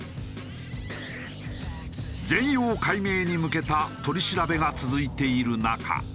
全容解明に向けた取り調べが続いている中